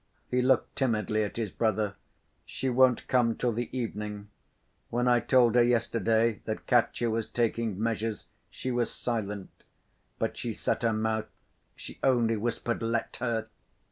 He looked timidly at his brother. "She won't come till the evening. When I told her yesterday that Katya was taking measures, she was silent, but she set her mouth. She only whispered, 'Let her!